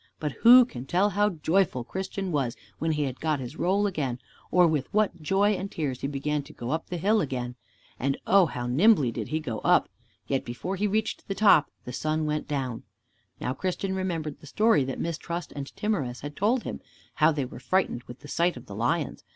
But who can tell how joyful Christian was when he had got his roll again, or with what joy and tears he began to go up the hill again. And, oh, how nimbly did he go up! Yet before he reached the top the sun went down. Now Christian remembered the story that Mistrust and Timorous had told him, how they were frightened with the sight of the lions.